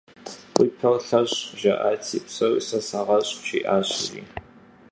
«Уи пэр лъэщӏ» жаӏати, «Псори сэ сагъэщӏ» жиӏащ, жи.